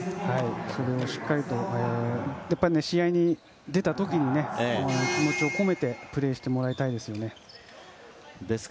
それをしっかりと試合に出た時に気持ちを込めてプレーしてもらいたいですね。